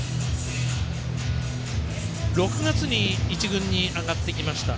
６月に１軍に上がってきました。